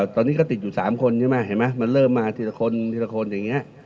ตอนนี้ก็ติดอยู่๓คนใช่ไหมเห็นไหมมันเริ่มมาทีละคนทีละคนอย่างนี้